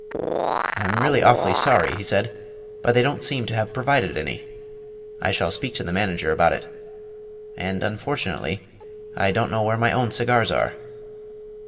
"I'm really awfully sorry," he said; "but they don't seem to have provided any. I shall speak to the manager about it. And, unfortunately, I don't know where my own cigars are."